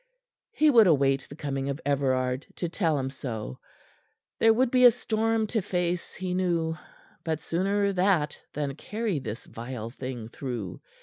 He would await the coming of Everard, to tell him so. There would be a storm to face, he knew. But sooner that than carry this vile thing through.